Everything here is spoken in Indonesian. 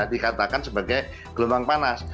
dikatakan sebagai gelombang panas